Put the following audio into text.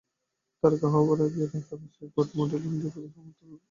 তারকা হওয়ার আগেই রেখার আশীর্বাদতখন মডেলিং জগতে সবেমাত্র যাত্রা শুরু করেছেন ঐশ্বরিয়া।